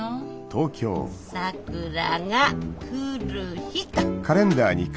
さくらが来る日っと。